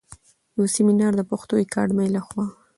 يو سمينار د پښتو اکاډمۍ لخوا